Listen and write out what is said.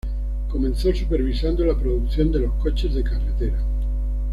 Comenzó supervisando la producción de los coches de carretera.